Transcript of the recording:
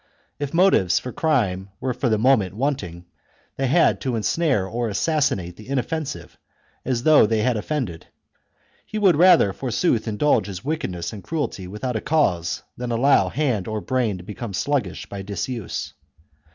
If motives for crime were for the moment wanting, they had to ensnare or assassinate the inoffensive as though they had offended ; he would rather, forsooth, indulge his wickedness and cruelty without a cause than allow hand or brain to become sluggish by disuse.